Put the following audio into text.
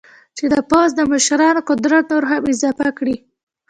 چې د پوځ د مشرانو قدرت نور هم اضافه کړي.